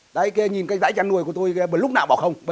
đấy nhìn cái giãi chăn nuôi của tôi lúc nào bỏ không